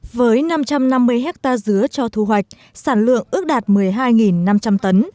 với năm trăm năm mươi hectare dứa cho thu hoạch sản lượng ước đạt một mươi hai năm trăm linh tấn